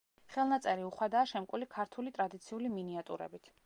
ხელნაწერი უხვადაა შემკული ქართული ტრადიციული მინიატიურებით.